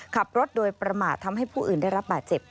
ขับรถโดยประมาททำให้ผู้อื่นได้รับบาดเจ็บ